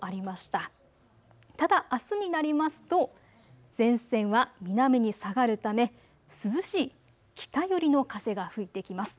ただ、あすになりますと前線は南に下がるため涼しい北寄りの風が吹いてきます。